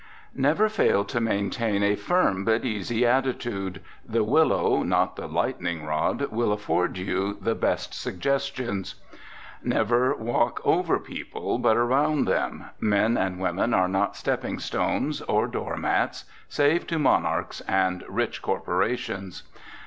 Never fail to maintain a firm but easy attitude. The willow, not the lightning rod, will afford you the best suggestions. Never walk over people, but around them. Men and women are not stepping stones or door mats, save to monarchs and rich corporations.